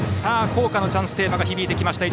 校歌のチャンステーマが響いてきました。